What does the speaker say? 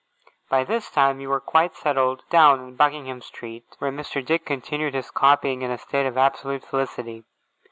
By this time, we were quite settled down in Buckingham Street, where Mr. Dick continued his copying in a state of absolute felicity.